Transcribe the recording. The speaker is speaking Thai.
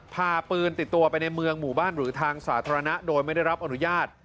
พาปืนติดตัวไปในเมืองหมู่บ้านหรือทางสาธารณะโดยไม่ได้รับอนุญาต